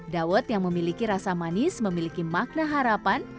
dawet yang memiliki rasa manis memiliki makna harapan